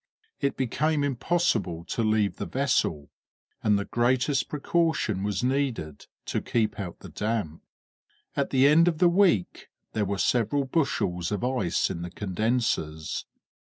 It became impossible to leave the vessel, and the greatest precaution was needed to keep out the damp. At the end of the week there were several bushels of ice in the condensers.